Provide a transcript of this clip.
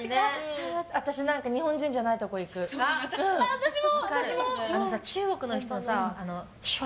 私も！